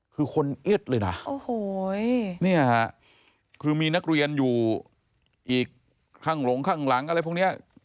คือคนเอ็ดเลยนะคือมีนักเรียนอยู่อีกข้างลงข้างหลังอะไรพวกเนี่ย